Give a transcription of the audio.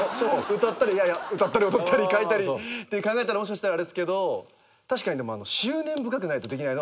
歌ったり踊ったり書いたりって考えたらもしかしたらあれですけど確かに。